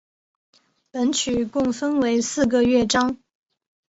本曲共分为四个乐章。